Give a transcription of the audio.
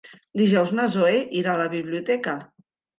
Dijous na Zoè irà a la biblioteca.